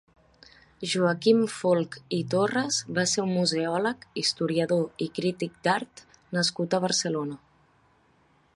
Joaquim Folch i Torres va ser un museòleg, historiador i crític d'art nascut a Barcelona.